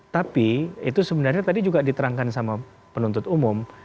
tapi itu sebenarnya tadi juga diterangkan sama penuntut umum